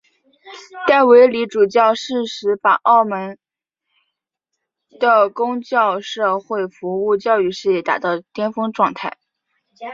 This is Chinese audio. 戴维理主教适时把澳门的公教社会服务教育事业达到巅峰状态。